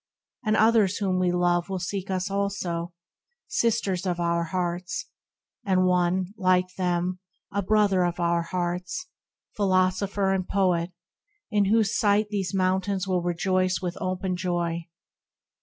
And others whom we love Will seek us also, Sisters of our hearts, And one, like them, a Brother of our hearts, Philosopher and Poet, in whose sight These mountains will rejoice with open joy.